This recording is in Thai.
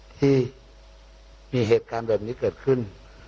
ที่มีเหตุการณ์แบบนี้เกิดขึ้น